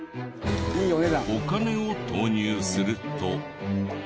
お金を投入すると。